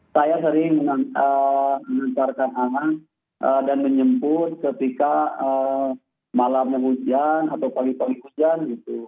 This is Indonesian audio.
saya sering menemparkan anak dan menjemput ketika malamnya hujan atau paling paling hujan